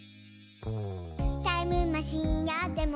「タイムマシンあっても」